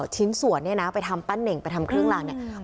ชิ้นส่วนเนี่ยนะไปทำปั้นเน่งไปทำเครื่องรางเนี่ย